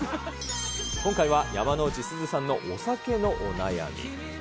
今回は山之内すずさんのお酒のお悩み。